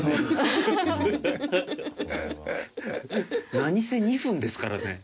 何せ２分ですからね。